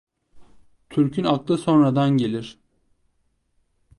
Türk'ün aklı sonradan gelir.